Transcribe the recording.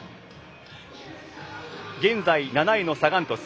現在７位のサガン鳥栖。